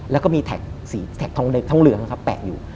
แล้วก็มีแท็กสีแท็กทองเหลืองนะครับแปะอยู่